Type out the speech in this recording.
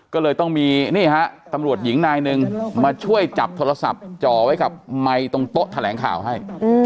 ก็เลยต้องมีนี่ฮะตำรวจหญิงนายหนึ่งมาช่วยจับโทรศัพท์จ่อไว้กับไมค์ตรงโต๊ะแถลงข่าวให้